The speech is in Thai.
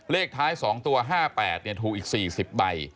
เลขท้าย๒ตัว๕๘ถูกอีก๔๐ใบ